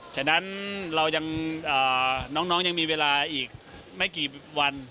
ฉะนั้นเรายังน้องยังมีเวลาอีกไม่กี่วัน